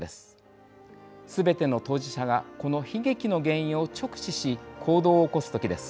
すべての当事者がこの悲劇の原因を直視し行動を起こす時です。